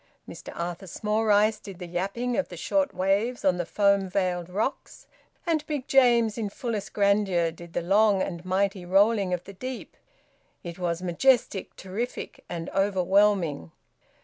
Mr Arthur Smallrice did the yapping of the short waves on the foam veiled rocks, and Big James in fullest grandeur did the long and mighty rolling of the deep. It was majestic, terrific, and overwhelming.